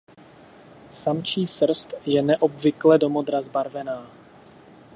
Samčí srst je neobvykle do modra zbarvená.